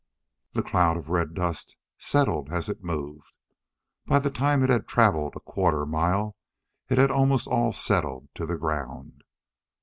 The cloud of red dust settled as it moved. By the time it had travelled a quarter mile, it had almost all settled to the ground.